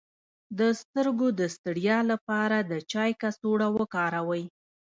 د سترګو د ستړیا لپاره د چای کڅوړه وکاروئ